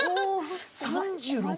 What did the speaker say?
「３６」。